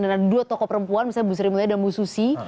dan ada dua tokoh perempuan misalnya bu sri mulia dan bu susi